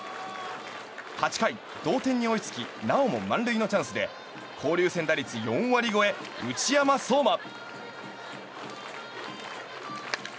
８回、同点に追いつきなおも満塁のチャンスで交流戦打率４割超え、内山壮真。